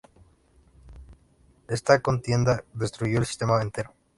Esta contienda destruyó el sistema entero.